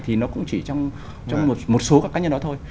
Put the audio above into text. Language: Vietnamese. thì nó cũng chỉ trong một số các cá nhân đó thôi